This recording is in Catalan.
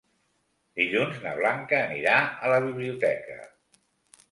Dilluns na Blanca anirà a la biblioteca.